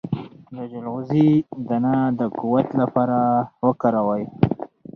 د چلغوزي دانه د قوت لپاره وکاروئ